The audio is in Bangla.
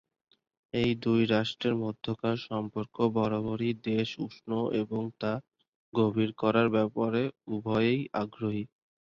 এ দুই রাষ্ট্রের মধ্যকার সম্পর্ক বরাবরই বেশ উষ্ণ এবং তা গভীর করার ব্যাপারে উভয়েই আগ্রহী।